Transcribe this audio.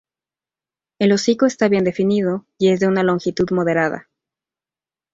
El hocico está bien definido y es de una longitud moderada.